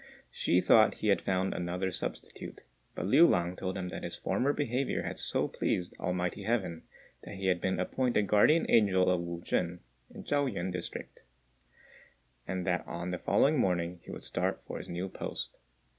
Hsü thought he had found another substitute, but Liu lang told him that his former behaviour had so pleased Almighty Heaven, that he had been appointed guardian angel of Wu chên, in the Chao yüan district, and that on the following morning he would start for his new post.